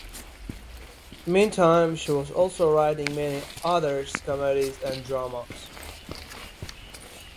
Meantime she was also writing many others comedies and dramas.